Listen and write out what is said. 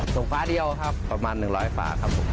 ไฟฟ้าเดียวครับประมาณ๑๐๐ฝาครับผม